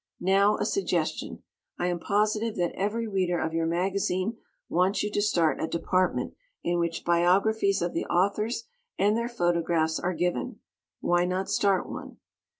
Now, a suggestion. I am positive that every Reader of your magazine wants you to start a department in which biographies of the authors and their photographs are given. Why not start one?